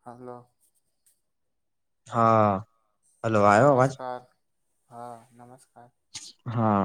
હાલો, હા, હલો આવ્યો અવાજ નમસ્કાર હા નમસ્કાર હા,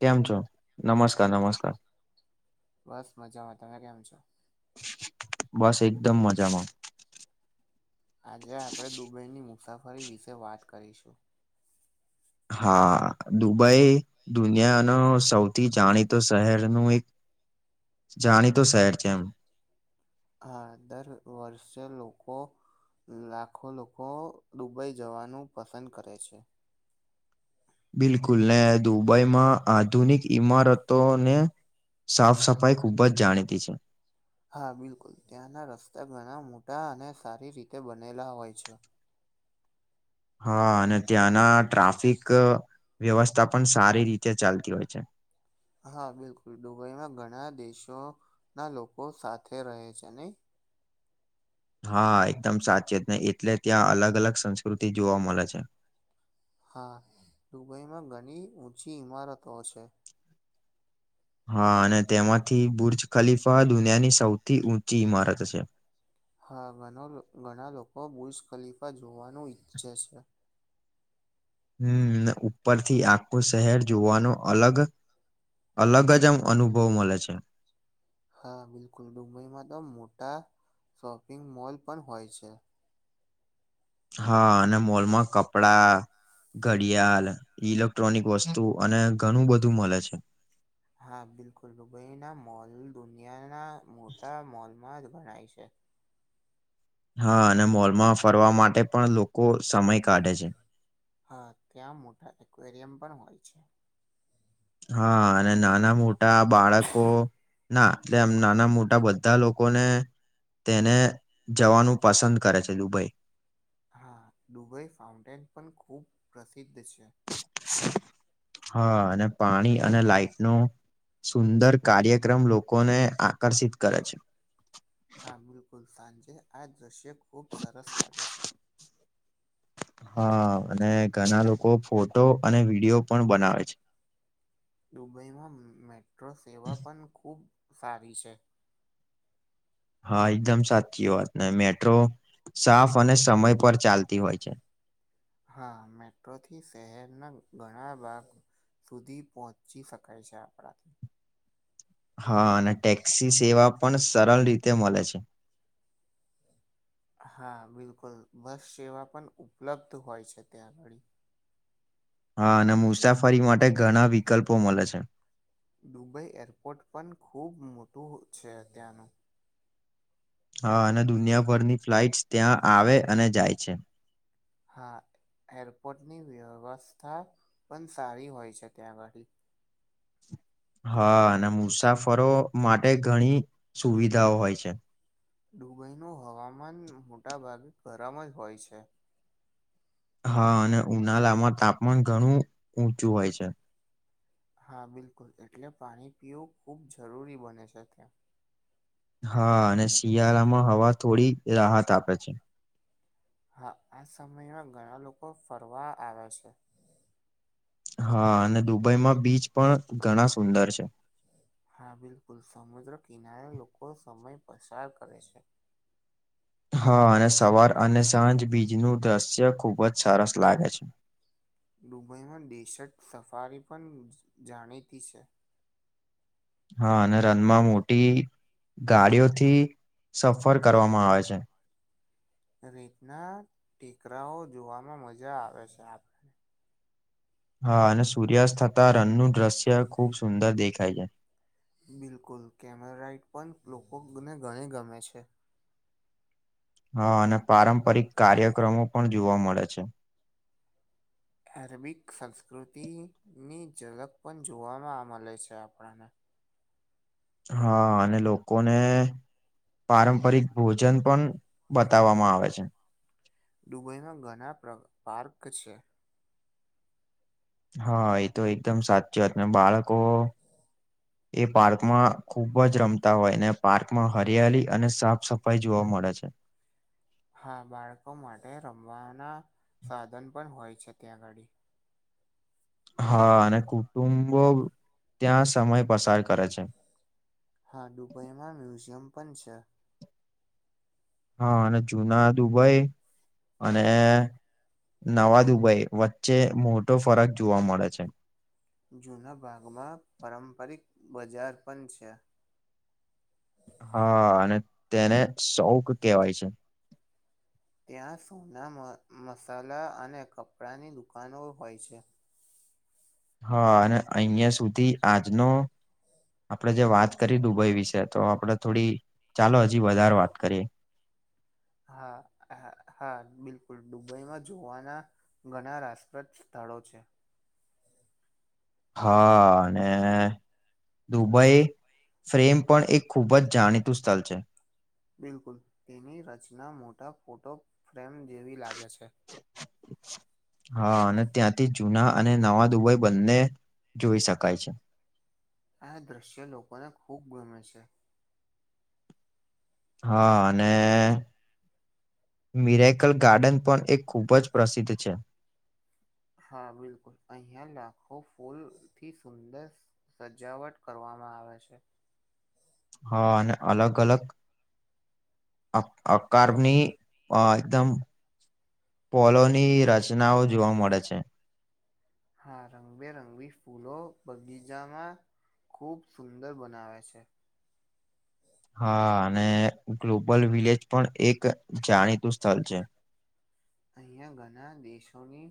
કેમ છો નમસ્કાર નમસ્કાર બસ મજામાં તમે કેમ છો? બસ એકદમ મજામાં, આજે આપણે દુબઈની મુસાફરી વિશે વાત કરીશું. હા, દુબઈ દુનિયા ન સૌથી જાણીતો. શહેર નું એક જાણીતો શહેર, છે એમ હા, દર વર્ષે લોકો લાખો લોકો દુબઈ જવાનું પસંદ કરે છે. બિલકુલ ને દુબઈમાં આધુનિક ઈમારતો ને, સાફ સફાઈ ખુબ જ જાણીતી છે. હા, બિલકુલ ત્યાંના રસ્તા ઘણા મોટા અને સારી રીતે બનેલા હોય છે. હા અને ત્યાંના ટ્રાફિક વ્યવસ્થા પણ સારી રીતે ચાલતી હોય છે, હા બિલકુલ દુબઈમાં ઘણા દેશો ના લોકો સાથે રહે છે, નઈ હા, એકદમ સાચી જ ન એટલે ત્યાં અલગ અલગ સંસ્કૃતિ જોવા મળે છે. હા, દુબઈમાં ઘણી ઊંચી ઈમારતો છે. હા, અને તેમાંથી બુર્જ ખલીફા દુનિયાની સૌથી ઊંચી ઈમારત છે હા, ઘણા લોકો બુશ ખલીફા જોવાનું ઈચ્છે છે, હમ્મ ઉપરથી આખું શહેર જોવાનું અલગ અલગ જ એમ અનુભવ મળે છે, હા બિલકુલ ડુંબઈમાં તો મોટા શોપિંગ મોલ પણ હોય છે, હા, અને મોલમાં કપડા ઘડિયાળ ઇલેક્ટ્રોનિક વસ્તુ અને ઘણું બધું મળે છે, હા, બિલકુલ દુબઈના મોલ દુનિયાના મોટા મોલમાં જ ગણાય છે હા, અને મોલમાં ફરવા માટે પણ લોકો સમય કાઢે છે. હા, ત્યાં મોટા એકવેરિયમ પણ હોય છે. હા, અને નાના મોટા બાળકો ના એટલે એમ નાના મોટા બધા લોકોને તેને જવાનું પસંદ કરે છે, દુબઈ હા ડુબઈ ફાઉન્ટેન પણ ખુબ પ્રસિદ્ધ છે, [inaudible] હા, અને પાણી અને લાાઈટ નુ સુંદર કાર્યક્રમ લોકોને આકર્ષિત કરે છે, હા, બિલકુલ સાંજે આ દૃશ્ય ખૂબ સરસ લાગે છે, હા, અને ઘણા લોકો ફોટો અને વિડીયો પણ બનાવે છે. દુબઈમાં મેટ્રો સેવા પણ ખૂબ સારી છે, હા, એકદમ સાચી વાત ને મેટ્રો સાફ અને સમય પર ચાલતી હોય છે, હા, મેટ્રોથી શહેરના ઘણા ભાગ સુધી પહોંચી શકાય છે, આપણાથી હા, અને ટેક્સી સેવા પણ સરળ રીતે મળે છે. હા બિલકુલ બસ સેવા પણ ઉપલબ્ધ હોય છે, ત્યાં આગળી હા અને મુસાફરી માટે ઘણા વિકલ્પો મળે છે દુબઈ એરપોર્ટ પણ ખૂબ મોટું છે અત્યાંનું હા અને દુનિયાભરની ફ્લાઇટ્સ ત્યાં આવે અને જાય છે હા એરપોર્ટની વ્યવસ્થા પણ સારી હોય છે ત્યાં આગળી હા અને મુસાફરો માટે ઘણી સુવિધાઓ હોય છે દુબઈનું હવામાન મોટાભાગે ગરમ જ હોય છે હા અને ઉનાળામાં તાપમાન ઘણું ઊંચું હોય છે હા બિલકુલ એટલે પાણી પીવું ખૂબ જરૂરી બને છે ત્યાં હા અને શિયાળામાં હવા થોડી રાહત આપે છે હા આ સમયમાં ઘણા લોકો ફરવા આવે છે હા અને દુબઈમાં બીચ પણ ઘણા સુંદર છે હા બિલકુલ સમુદ્ર કિનારે લોકો સમય પસાર કરે છે હા અને સવાર અને સાંજ બીજ નું દ્રશ્ય ખુબ જ સરસ લાગે છે દુબઈમાં ડેેશર્ટ સફારી પણ જાણીતી છે હા અને રનમાં મોટી ગાડીઓથી સફર કરવામાં આવે છે રીતના ટેકરાઓ જોવામાં મજા આવે છે હા અને સૂર્યાસ્તતા રંગનું દ્રશ્ય ખુબ સુંદર દેખાય છે બિલકુલ કેમેરાઇટ પણ લોકોને ગણી ગમે છે હા અને પારંપરિક કાર્યક્રમો પણ જોવા મળે છે એરેબિક સંસ્કૃતિ ની ઝલક પણ જોવામાં મળે છે આપણને હા અને લોકોને પારંપરિક ભોજન પણ બતાવવામાં આવે છે દુબઈમાં ઘણા પાર્ક છે હા એ તો એકદમ સાચી વાત ને બાળકો એ પાર્કમાં ખુબ જ રમતા હોય ને પાર્કમાં હરિયાળ અને સાફ સફાઈ જોવા મળે છે હા બાળકો માટે રમવાના સાધન પણ હોય છે ત્યાંગાડી હા અને કુટુંબો ત્યાં સમય પસાર કરે છે હા દુબઈમાં મ્યુઝિયમ પણ છે હા અને જુના દુબઈ અને નવા દુબઈ વચ્ચે મોટો ફરક જોવા મળે છે જુના ભાગમાં પારંપરિક બજાર પણ છે હા અને તેને શોખ કેવાય છે ત્યાં સોના મસાલા અને કપડાંની દુકાનો હોય છે હા અને અહિયાં સુધી આજનો આપડે જે વાત કરી દુબઈ વિશે તો આપડે થોડી ચાલો હજી વધારે વાત કરીએ હા હા બિલકુલ દુબઈમાં જોવાના ઘણા રાજસપ્રદ સ્થળો છે હા અને દુબઈ ફ્રેમ પણ એક ખૂબ જ જાણીતું સ્થળ છે બિલકુલ તેની રચના મોટા ફોટો ફ્રેમ જેવી લાગે છે હા અને ત્યાંથી જુના અને નવા દુબઈ બંને જોઈ શકાય છે આ દૃશ્ય લોકોને ખૂબ ગમે છે હા અને મિરેકલ ગાર્ડન પણ એ ખૂબ જ પ્રસિદ્ધ છે હા બિલકુલ અહિયાં લાખો ફૂલ થી સુંદર. સજાવટ કરવામાં આવે છે. હા અને અલગ અલગ. આકારની અ એકદમ. પોલોની રચનાઓ જોવા મળે છે. હા રંગબેરંગી ફૂલો બગીચામાં ખૂબ સુંદર બનાવે છે. હા અને ગ્લોબલ વિલેજ પણ એક જાણીતું સ્થળ છે. અહીંયા ઘણા દેશોની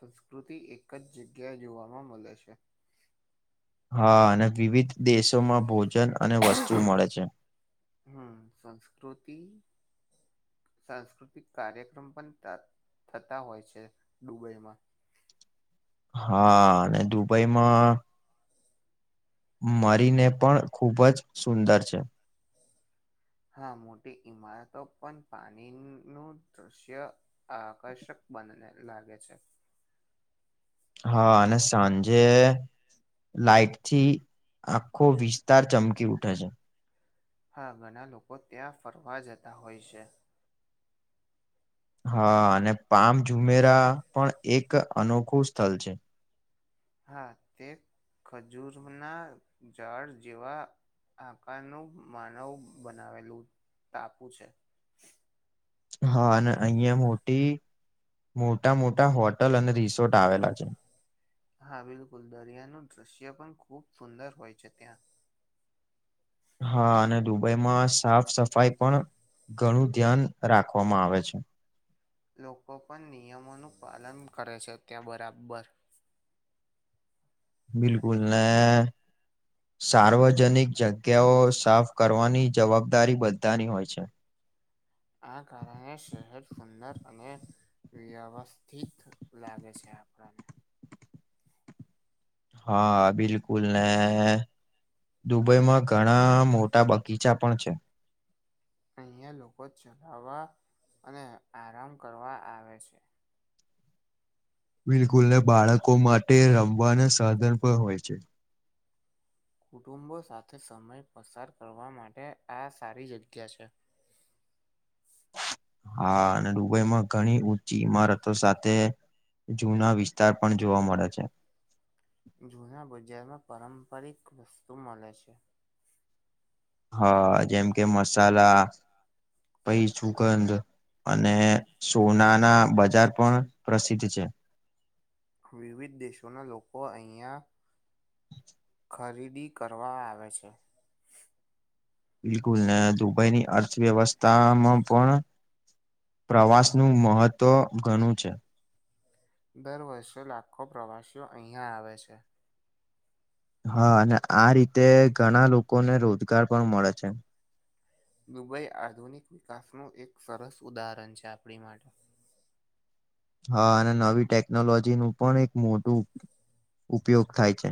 સંસ્કૃતિ એક જ જગ્યાએ જોવામાં મળે છે. હા અને વિવિધ દેશોમાં ભોજન અને વસ્તુ મળે છે. હમ સંસ્કૃતિ સાંસ્કૃતિક કાર્યક્રમ પણ થતા હોય છે, દુબઈમાં હા અને દુબઈમાં મરીને પણ ખૂબ જ સુંદર છે. હા મોટી ઈમારતો પણ પાણીનું દૃશ્ય અ કરષક બનેને લાગે છે. હા ના સાંજ જે લાાઈટ થી આખો વિસ્તાર ચમકી ઉઠે છે. હા ઘણા લોકો ત્યાં ફરવા જતા હોય છે. હા અને પામ ઝુમેરા પણ એક અનોખું સ્થળ છે. હા તે ખજૂરના જાડ જેવા આકાર ન માનવ બનાવેલું ટાપુ છે. હા અને અહિયાં મોટી મોટા મોટા હોટલ અને રિસોર્ટ આવેલા છે. હા બિલકુલ દરિયાનું દૃશ્ય પણ ખૂબ સુંદર હોય છે, ત્યાં હા અને દુબઈમાં સાફ સફાઈ પણ ઘણું ધ્યાન રાખવામાં આવે છે. લોકો પણ નિયમોનું પાલન કરે છે, ત્યાં બરાબર બિલકુલ ના સાર્વજનિક જગ્યાઓ સાફ કરવાની જવાબદારી બધાની હોય છે. આ કારણે શહેર સુંદર અને વ્યવસ્થિત લાગે છે, આપડાને હા બિલકુલ ને દુબઈમાં ઘણા મોટા બગીચા પણ છે. અહયા લોકો ચલાવા અને આરામ કરવા આવે છે. બિલકુલ ને બાળકો માટે રમવાના સાધન પણ હોય છે. કુટુંબો સાથે સમય પસાર કરવા માટે આ સારી જગ્યા છે. હા અને ડુબઈ માં ઘણી ઊંચી ઈમારતો સાથે જુના વિસ્તાર પણ જોવા મળે છે. જુના બજારમાં પારંપરિક વસ્તુ મળે છે. હા જેમ કે મસાલા પછ સુગંધ અને સોના ના બજાર પણ પ્રસિદ્ધ છે. વિવિધ દેશોના લોકો અહીંયા ખરીદી કરવા આવે છે. બિલકુલ ને દુબઈની અર્થવ્યવસ્થામાં પણ પ્રવાસ નું મહત્વ ઘણું છે. દર વર્ષે લાખો પ્રવાસીઓ અહીયાંયા આવે છે. હા અને આ રીતે ઘણા લોકોને રોજગાર પણ મળે છે. દુબઈ આધુનિક વિકાસનું એક સરસ ઉદાહરણ છે, આપણી માટે હા અને નવી ટેકનોલોજી નું પણ એક મોટું ઉપયોગ થાય છે.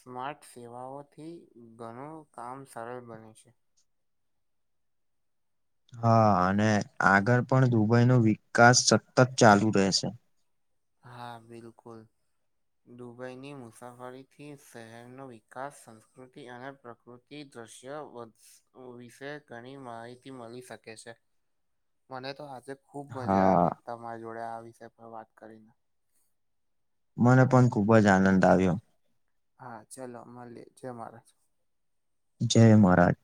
સ્માર્ટ સેવાઓથી ઘણું કામ સરળ બને છે. હા અને આગળ પણ દુબઈ નો વિકાસ સતત ચાલુ રહેશે હા બિલકુલ દુબઈની મુસાફરીથી શહેરનો વિકાસ સંસ્કૃતિ અને પ્રકૃતિ દ્રશ્ય વિશે ઘણી માહિતી મળી શકે છે. મને તો આજે ખુબ મજા હા આવી તમારી જોડે આ વિષય પણ વાત કરીને મને પણ ખુબ જ આનંદ આવ્યો. હા ચલો મળીએ જય મહારાજ જય મહારાજ